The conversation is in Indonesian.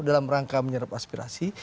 dalam rangka menyerap aspirasi